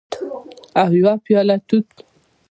او یوه پیاله توت